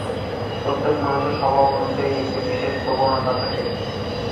প্রত্যেক মানুষের স্বভাব অনুযায়ী একটি বিশেষ প্রবণতা থাকে।